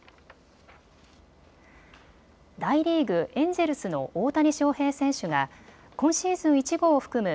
大リーグ、エンジェルスの大谷翔平選手が今シーズン１号を含む